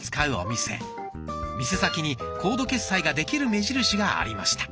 店先にコード決済ができる目印がありました。